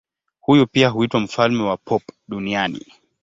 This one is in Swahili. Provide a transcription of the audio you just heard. Huyu pia huitwa mfalme wa pop duniani.